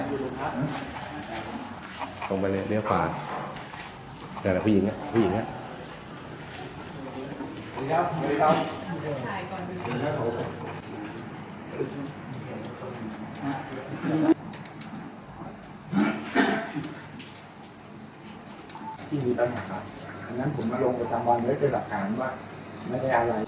ที่มีปัญหาดังนั้นผมมาลงไปสำรวจในรัฐการณ์ว่าไม่ได้อะไร